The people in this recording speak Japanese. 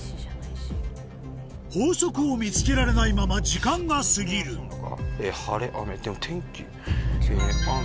法則を見つけられないまま時間が過ぎる雨。